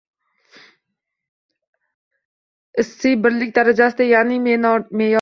issiy birlik darajasida, ya’ni – me’yorda.